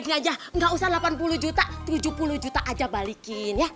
seregnya aja gak usah delapan puluh juta tujuh puluh juta aja balikin ya